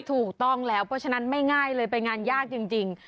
ถูกต้องแล้วเพราะฉะนั้นไม่ง่ายเลยไปงานยากจริง